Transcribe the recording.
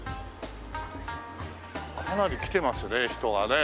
かなり来てますね人がね。